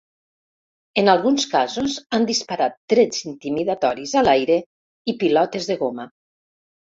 En alguns casos, han disparat trets intimidatoris a l’aire i pilotes de goma.